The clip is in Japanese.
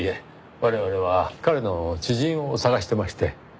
我々は彼の知人を捜してまして。